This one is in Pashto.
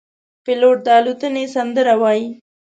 پیلوټ د الوتنې سندره وايي.